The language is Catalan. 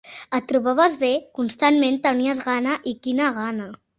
Et trobaves bé, constantment tenies gana i quina gana